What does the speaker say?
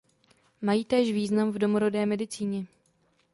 Mají též význam v domorodé medicíně.